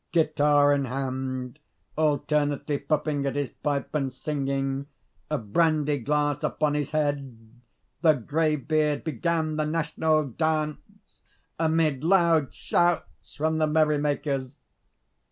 Guitar in hand, alternately puffing at his pipe and singing, a brandy glass upon his head, the greybeard began the national dance amid loud shouts from the merry makers.